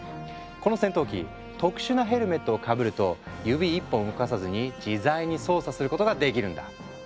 この戦闘機特殊なヘルメットをかぶると指一本動かさずに自在に操作することができるんだ。